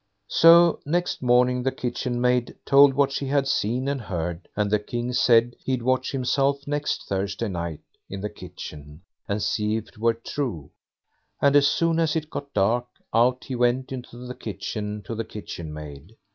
So next morning the kitchen maid told what she had seen and heard, and the King said he'd watch himself next Thursday night in the kitchen, and see if it were true, and as soon as it got dark, out he went into the kitchen to the kitchen maid.